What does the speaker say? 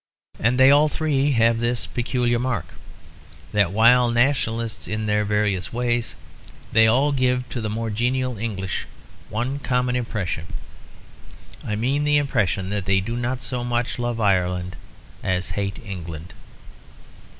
And they all three have this peculiar mark, that while Nationalists in their various ways they all give to the more genial English one common impression; I mean the impression that they do not so much love Ireland as hate England.